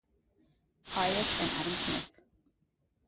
Hayek, and Adam Smith.